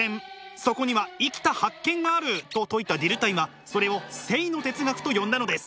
そこには生きた発見があると説いたディルタイはそれを生の哲学と呼んだのです。